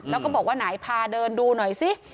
แล้วก็บอกว่าไหนพาเดินดูหน่อยซิ